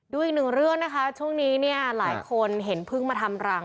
อีกหนึ่งเรื่องนะคะช่วงนี้เนี่ยหลายคนเห็นพึ่งมาทำรัง